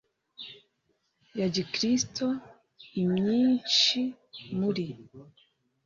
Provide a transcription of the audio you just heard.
ya gikristo Imyinshi muri